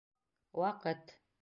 Ваҡыт.